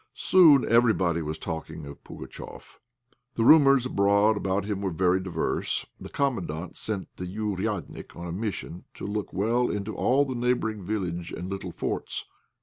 Soon everybody was talking of Pugatchéf. The rumours abroad about him were very diverse. The Commandant sent the "ouriadnik" on a mission to look well into all in the neighbouring village and little forts.